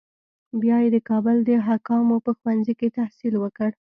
بیا یې د کابل د حکامو په ښوونځي کې تحصیل وکړ.